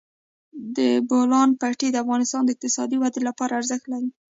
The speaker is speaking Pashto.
د بولان پټي د افغانستان د اقتصادي ودې لپاره ارزښت لري.